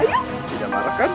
tidak marah kan